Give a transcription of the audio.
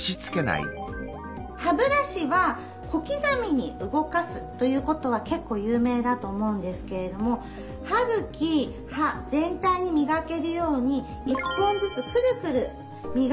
歯ブラシは小刻みに動かすということは結構有名だと思うんですけれども歯茎歯全体にみがけるように１本ずつクルクルみがくといいと思います。